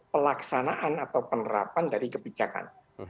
pelaksanaan atau penerapan dari kebijakan